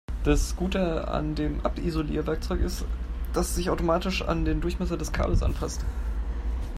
Das Gute an dem Abisolierwerkzeug ist, dass es sich automatisch an den Durchmesser des Kabels anpasst.